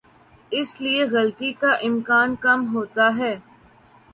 اس لیے غلطی کا امکان کم ہوتا ہے۔